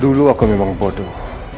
dulu aku memang bodoh